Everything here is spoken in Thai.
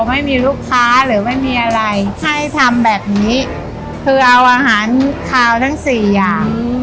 ไม่มีลูกค้าหรือไม่มีอะไรให้ทำแบบนี้คือเอาอาหารคาวทั้งสี่อย่าง